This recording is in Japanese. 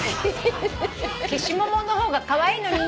消しももの方がカワイイのにね。